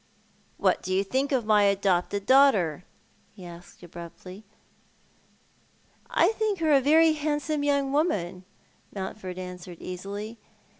"What do you think of my adopted daughter?" he asked abruptly. "I think her a very handsome young woman," Mountford answered easily.